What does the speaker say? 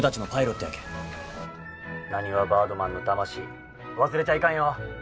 なにわバードマンの魂忘れちゃいかんよ！